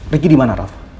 ricky di mana raf